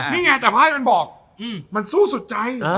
นี่ไงแต่ไพ่มันบอกมันสู้สุดใจ